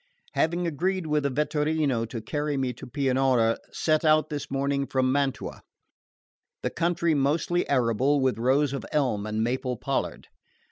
Having agreed with a vetturino to carry me to Pianura, set out this morning from Mantua. The country mostly arable, with rows of elm and maple pollard.